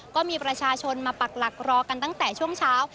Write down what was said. ก็มีประชาชนมาปักหลักรอกันตั้งแต่ช่วงเช้า